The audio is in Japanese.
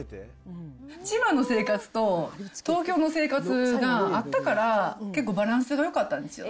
千葉の生活と東京の生活があったから、結構バランスがよかったんですよ。